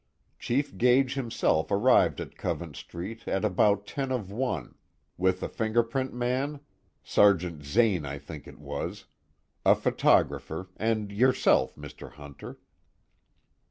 Chief Gage himself arrived at Covent Street at about ten of one, with a fingerprint man Sergeant Zane I think it was a photographer, and yourself, Mr. Hunter."